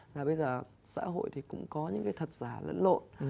là bây giờ xã hội thì cũng có những cái thật giả lẫn lộn